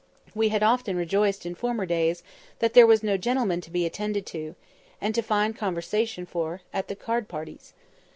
We had often rejoiced, in former days, that there was no gentleman to be attended to, and to find conversation for, at the card parties.